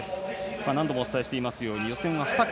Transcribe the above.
何度もお伝えしていますが予選は２組。